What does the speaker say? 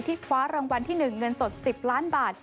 คว้ารางวัลที่๑เงินสด๑๐ล้านบาท